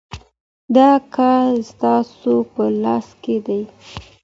دا کار ستاسو په لاس کي دی.